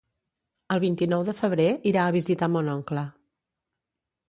El vint-i-nou de febrer irà a visitar mon oncle.